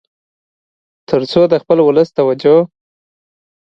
تر څو د خپل ولس توجه